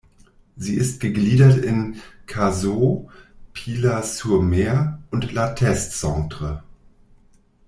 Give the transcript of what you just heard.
Sie ist gegliedert in Cazaux, Pyla-sur-Mer und La Teste Centre.